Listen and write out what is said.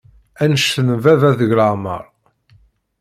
Annect n baba deg leεmer.